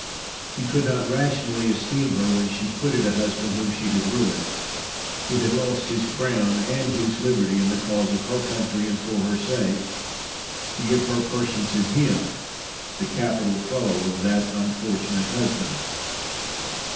He could not rationally esteem her when she quitted a husband whom she had ruined, who had lost his crown and his liberty in the cause of her country and for her sake, to give her person to him, the capital foe of that unfortunate husband.